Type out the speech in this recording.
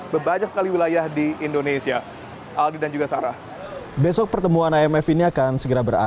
banyak sekali wilayah di indonesia aldi dan juga sarah besok pertemuan imf ini akan segera berakhir